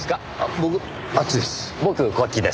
僕こっちです。